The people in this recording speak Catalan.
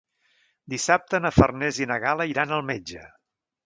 Dissabte na Farners i na Gal·la iran al metge.